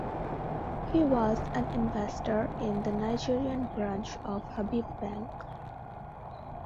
He was an investor in the Nigerian branch of Habib Bank.